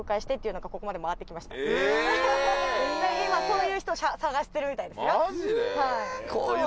今そういう人を探してるみたいですよマジで？